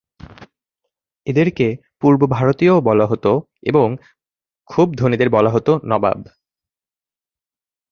এদেরকে ‘পূর্ব ভারতীয়’ও বলা হতো এবং খুব ধনীদের বলা হতো ‘নবাব’।